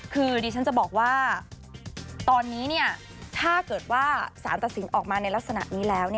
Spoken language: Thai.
คือดิฉันจะบอกว่าตอนนี้ถ้าเกิดว่าสารตัดสินออกมาในลักษณะนี้แล้ว